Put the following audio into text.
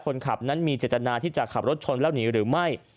คนขับนั้นมีเจตนาที่จะขับรถชนแล้วหนีหรือไม่